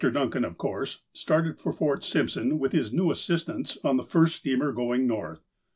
Duncau, of course, started for Fort Simpson with his new assistants on the first steamer going north.